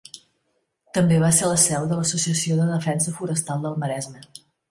També va ser la seu de l'Associació de Defensa Forestal del Maresme.